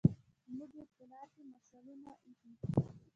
موږ يې په لار کې مشالونه ايښي